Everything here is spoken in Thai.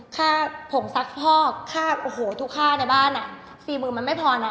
ข้าวผงซักหกข้าวทุกค่าในบ้าน๔๐๐๐๐บาทมันไม่พอนะ